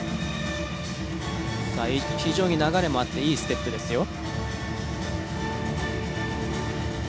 非常に流れもあっていいステップですよ。